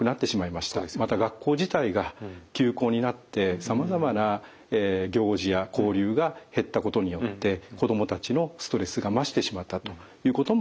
また学校自体が休校になってさまざまな行事や交流が減ったことによって子どもたちのストレスが増してしまったということも考えられます。